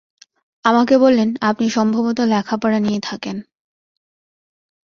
আমাকে বললেন, আপনি সম্ভবত লেখাপড়া নিয়ে থাকেন।